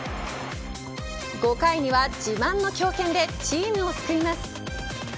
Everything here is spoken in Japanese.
５回には自慢の強肩でチームを救います。